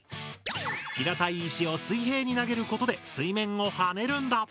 平たい石を水平に投げることで水面を跳ねるんだ。